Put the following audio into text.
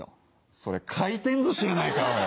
それ回転寿司やないか。